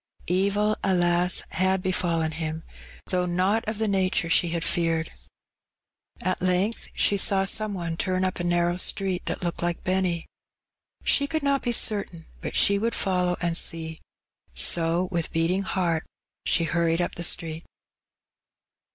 Evil, alas ! had befallen him, thongh not of the nature she had feared. At length she saw some one turn up a narrow street that looked like Benny. She conld not be certain, but she would follow and see; so with beating heart she hurried np the street.